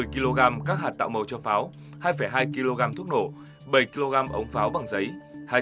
một mươi kg các hạt tạo màu cho pháo hai hai kg thuốc nổ bảy kg ống pháo bằng giấy